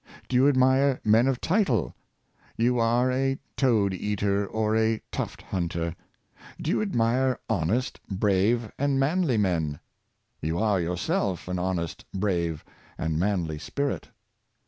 Do you admire men of title? — you are a toad eater, or a tuft hunter. Do you admire honest, brave and manly men? — you are yourself of an honest, brave and manly spirit.